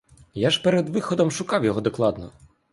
Я ж перед виходом шукав його докладно!